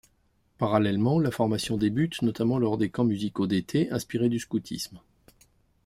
Parallèlement, la formation débute, notamment lors des camps musicaux d'été, inspirés du scoutisme.